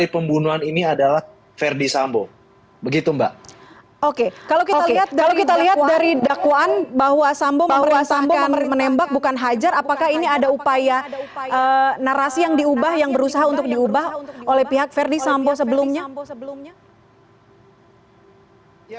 apakah ini ada upaya narasi yang diubah yang berusaha untuk diubah oleh pihak verdi sambo sebelumnya